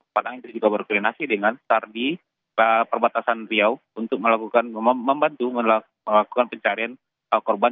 padang juga berklinasi dengan sardi perbatasan riau untuk membantu melakukan pencarian korban